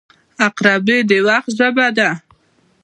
• عقربې د وخت ژبه ده.